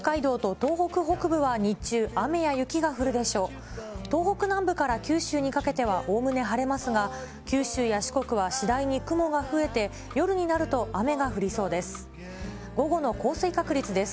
東北南部から九州にかけては、おおむね晴れますが、九州や四国は次第に雲が増えて夜になると雨が降りそうです。